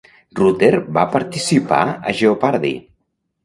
Rutter va participar a Jeopardy!